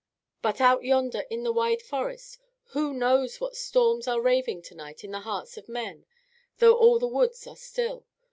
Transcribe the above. "But out yonder in the wide forest, who knows what storms are raving to night in the hearts of men, though all the woods are still?